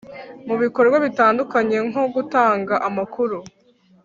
mu bikorwa bitandukanye nko gutanga amakuru